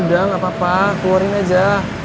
udah gak apa apa keluarin aja